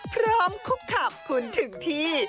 พร้อมคุกขับคุณถึงที่